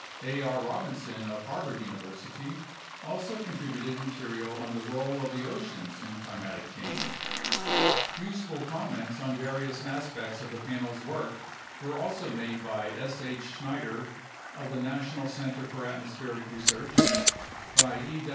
A. R. Robinson of Harvard University also contributed material on the role of the oceans in climatic change. Useful comments on various aspects of the Panel's work were also made by S. H. Schneider of the National Center for Atmospheric Research; by E.